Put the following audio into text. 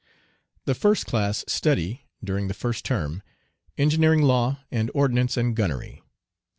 The first class study, during the first term, engineering law, and ordnance and gunnery.